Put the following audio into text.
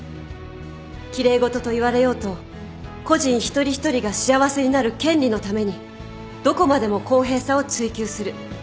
奇麗事と言われようと個人一人一人が幸せになる権利のためにどこまでも公平さを追求する。